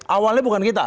awalnya bukan kita